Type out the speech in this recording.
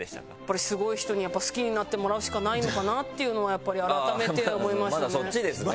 すごい人に好きになってもらうしかないのかなっていうのは改めて思いましたね。